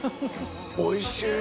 おいしい！